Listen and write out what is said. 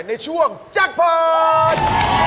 ในช่วงจังพันธ์